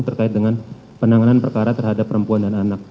terkait dengan penanganan perkara terhadap perempuan dan anak